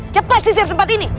cepat sisir tempat ini